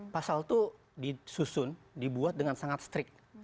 pasal itu disusun dibuat dengan sangat strict